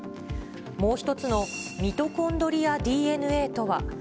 もう１つのミトコンドリアＤＮＡとは。